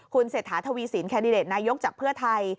คุณเศรษฐาทวีศีลแคนนาโยกจากเพื่อไทย